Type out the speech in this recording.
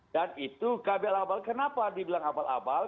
dan itu kbl abal kenapa dibilang abal abal